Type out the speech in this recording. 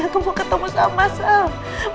aku mau ketemu sama sam